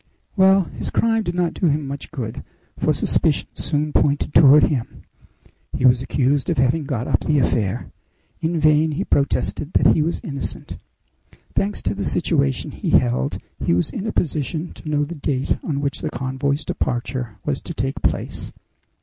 "Well, his crime did not do him much good, for suspicion soon pointed toward him. He was accused of having got up the affair. In vain he protested that he was innocent. Thanks to the situation he held, he was in a position to know the date on which the convoy's departure was to take place.